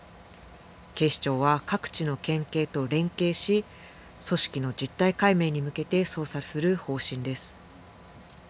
警視庁は各地の県警と連携し組織の実態解明に向けて捜査する方針です。